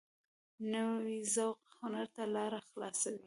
نوی ذوق هنر ته لاره خلاصوي